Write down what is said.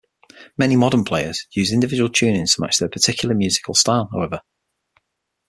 Many modern players use individual tunings to match their particular musical style, however.